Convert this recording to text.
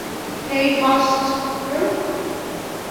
হেই, ফ্যাসটস।